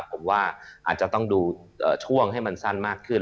ผมว่าอาจจะต้องดูช่วงให้มันสั้นมากขึ้น